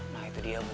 nah itu dia boy